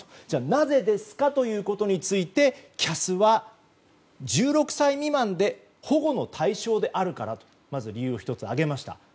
じゃあ、なぜですかということについてＣＡＳは１６歳未満で保護の対象であるからとまず、理由を１つ挙げました。